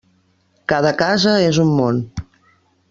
Cada casa és un món.